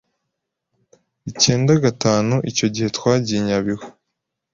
icyenda gatanu icyo gihe twagiye i Nyabihu